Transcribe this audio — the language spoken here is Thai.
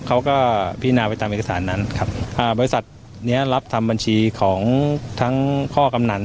เขาก็พินาไปตามเอกสารนั้นครับอ่าบริษัทเนี้ยรับทำบัญชีของทั้งพ่อกำนัน